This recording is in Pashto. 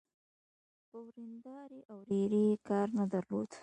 په وريندارې او ورېرې يې کار نه درلود.